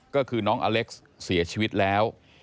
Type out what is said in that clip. ก็คือน้องอเล็กซ์เสียชีวิตแล้ว